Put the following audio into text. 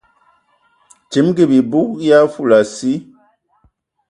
Timigi bibug bi a fulansi.